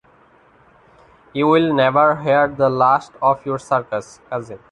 You'll never hear the last of your circus, cousin.